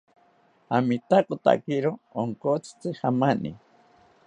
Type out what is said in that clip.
Amitakotakiro onkotzitzi jamani